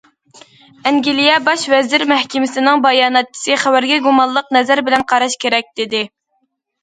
ئەنگلىيە باش ۋەزىر مەھكىمىسىنىڭ باياناتچىسى خەۋەرگە گۇمانلىق نەزەر بىلەن قاراش كېرەك دېدى.